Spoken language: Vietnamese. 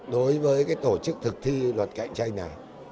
đối với tổ chức thực thi luật cạnh tranh này